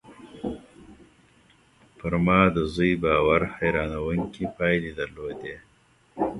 پر ما د زوی باور حيرانوونکې پايلې درلودې